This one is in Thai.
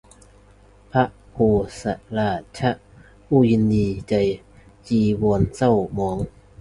พระโมฆราชะ ผู้ยินดีใจจีวรเศร้าหมอง